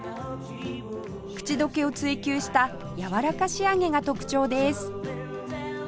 口溶けを追求したやわらか仕上げが特徴です